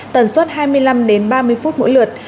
tần suất hai mươi năm đến ba mươi phút mỗi lượt